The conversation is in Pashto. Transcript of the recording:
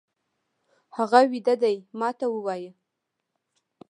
هغه ويده دی، ما ته ووايه!